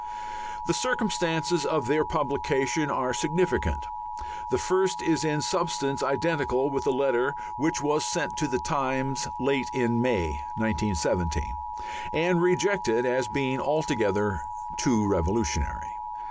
The circumstances of their publication are significant. The first is in substance identical with a letter which was sent to the Times late in May, 1917, and rejected as being altogether too revolutionary.